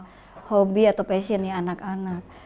tentu saja mensupport semua hobi atau passionnya anak anak